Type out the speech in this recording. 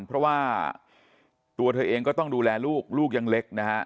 เพราะว่าตัวเธอเองก็ต้องดูแลลูกลูกยังเล็กนะฮะ